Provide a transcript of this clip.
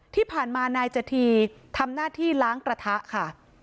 ที่ผ่านมานายจธีทำหน้าที่ล้างกระทะค่ะ